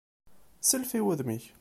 Sself i wudem-ik!